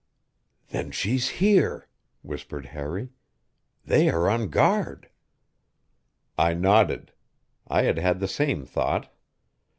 "Then she's here!" whispered Harry. "They are on guard." I nodded; I had had the same thought.